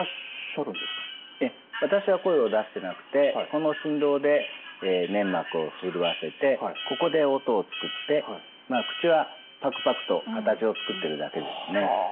いえ私は声を出してなくてこの振動で粘膜を震わせてここで音を作って口はパクパクと形を作ってるだけですね。